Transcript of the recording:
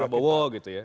gak pernah bawa gitu ya